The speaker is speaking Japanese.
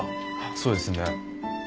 そうですね。